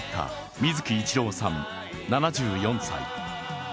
水木一郎さん７４歳。